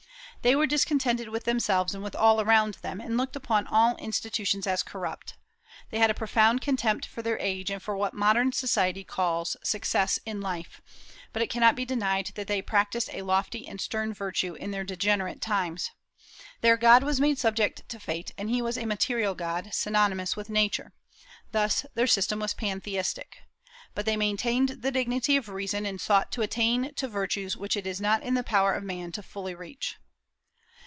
They were discontented with themselves and with all around them, and looked upon all institutions as corrupt. They had a profound contempt for their age, and for what modern society calls "success in life;" but it cannot be denied that they practised a lofty and stern virtue in their degenerate times. Their God was made subject to Fate; and he was a material god, synonymous with Nature. Thus their system was pantheistic. But they maintained the dignity of reason, and sought to attain to virtues which it is not in the power of man fully to reach.